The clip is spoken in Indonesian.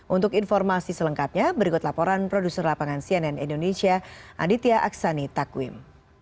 untuk informasi selengkapnya berikut laporan produser lapangan cnn indonesia aditya aksani takwim